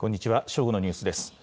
正午のニュースです。